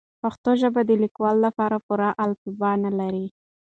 پښتو ژبه د لیکلو لپاره پوره الفبې نلري.